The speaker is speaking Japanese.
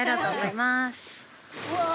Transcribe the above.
・うわ！